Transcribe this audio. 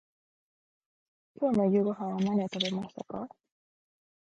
今日の夕ごはんは何を食べましたか。